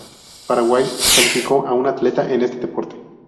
Paraguay calificó a un atleta en este deporte.